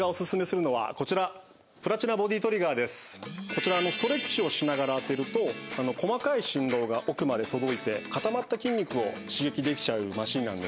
こちらストレッチをしながら当てると細かい振動が奥まで届いて固まった筋肉を刺激できちゃうマシンなんですね。